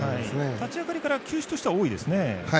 立ち上がりから球種としては多いですね。